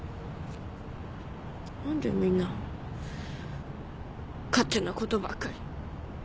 何でみんな勝手なことばかり。